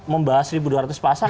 membahas seribu dua ratus pasal